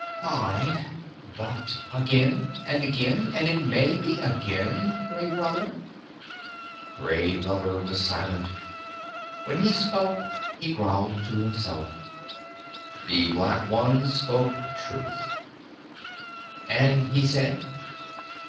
"Ay, but again and again, and it may be again, Gray Brother?" Gray Brother was silent. When he spoke he growled to himself, "The Black One spoke truth." "And he said?"